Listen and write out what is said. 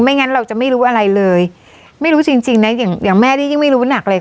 ไม่งั้นเราจะไม่รู้อะไรเลยไม่รู้จริงนะอย่างแม่ที่ยังไม่รู้หนักเลย